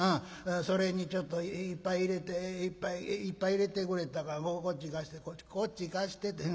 それにちょっと一杯入れて一杯一杯入れてくれたらこっち貸してこっちこっち貸してって。